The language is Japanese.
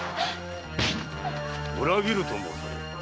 裏切ると申されるか？